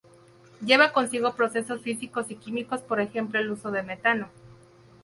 Lleva consigo procesos físicos y químicos por ejemplo el uso de metano.